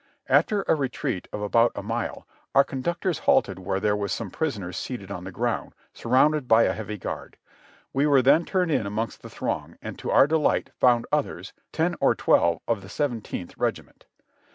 After a retreat of about a mile our conductors halted where there were some prisoners seated on the ground, surrounded by a heavy guard. We were turned in amongst the throng and to our delight found others, ten or twelve of the Seventeenth Regi ment.